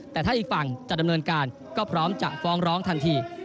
แต่ถ้าอีกฝั่งจะดำเนินการก็พร้อมจะฟ้องร้องทันที